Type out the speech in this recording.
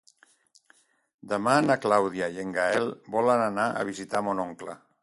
Demà na Clàudia i en Gaël volen anar a visitar mon oncle.